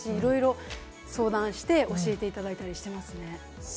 いろいろ相談して教えていただいたりしてますね。